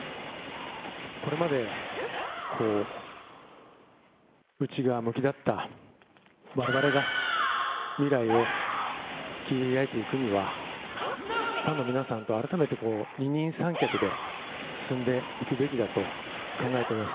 これまで、内側向きだったわれわれが未来を切り開いていくには、ファンの皆さんと改めて二人三脚で進んでいくべきだと考えてます。